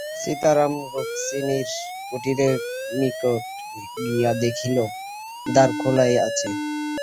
সীতারাম রুক্মিণীর কুটিরের নিকটে গিয়া দেখিল, দ্বার খোলাই আছে।